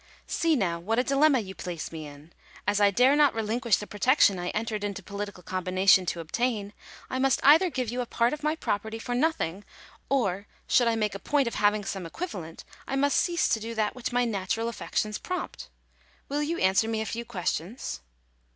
" See, now, what a dilemma you place me in. As I dare not relinquish the protection I entered into political combination to obtain, I must either give you a part of my property for nothing ; or, should I make a point of having some equivalent, I must cease to do that which my natural affections prompt. Will you answer me a few questions